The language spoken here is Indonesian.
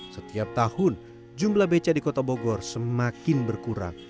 setiap tahun jumlah beca di kota bogor semakin berkurang